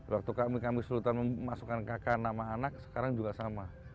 waktu kami sultan memasukkan kakak nama anak sekarang juga sama